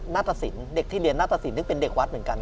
ตสินเด็กที่เรียนหน้าตสินซึ่งเป็นเด็กวัดเหมือนกัน